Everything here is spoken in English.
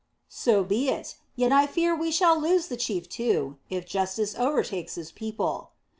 "So be it. Yet I fear we shall lose the chief, too, if justice overtakes his people."